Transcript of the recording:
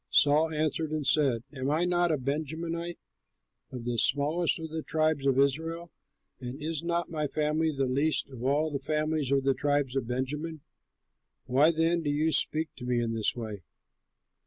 Saul answered and said, "Am I not a Benjamite, of the smallest of the tribes of Israel, and is not my family the least of all the families of the tribe of Benjamin? Why then do you speak to me in this way?"